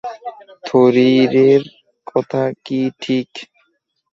থরিরের কথা কি ঠিক?